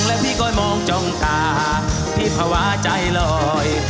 มองแล้วพี่ก้อยมองจงตาที่ภาวะใจลอย